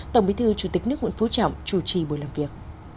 tổng bí thư chủ tịch nước nguyễn phú trọng chủ trì buổi làm việc